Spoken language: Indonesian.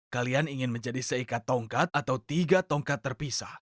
kalian ingin menjadi seikat tongkat atau tiga tongkat terpisah